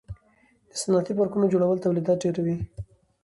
د صنعتي پارکونو جوړول تولیدات ډیروي.